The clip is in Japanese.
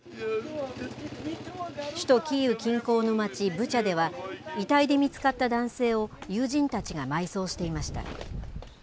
首都キーウ近郊の町ブチャでは、遺体で見つかった男性を友人たちが埋葬していました。